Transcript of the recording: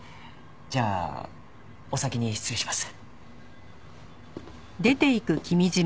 じゃあお先に失礼します。